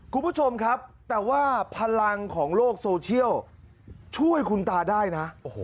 คุณผู้ชมครับแต่ว่าพลังของโลกโซเชียลช่วยคุณตาได้นะ